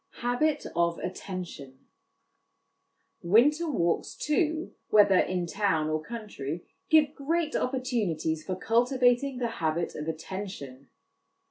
Habit of Attention. Winter walks, too, whether in town or country, give great opportunities for cultivating the habit of attention.